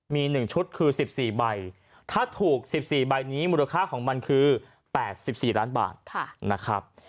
มี๑ชุดคือ๑๔ใบถ้าถูก๑๔ใบนี้มูลค่าของมันคือ๘๔ล้านบาทนะครับ